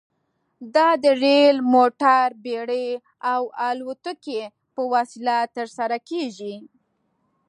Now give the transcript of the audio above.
دا د ریل، موټر، بېړۍ او الوتکې په وسیله ترسره کیږي.